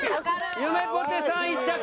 ゆめぽてさん１着。